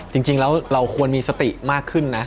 จริงแล้วเราควรมีสติมากขึ้นนะ